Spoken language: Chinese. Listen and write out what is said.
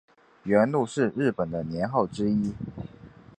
元禄是日本的年号之一。